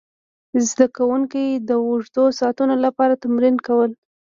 زده کوونکي د اوږدو ساعتونو لپاره تمرین کول.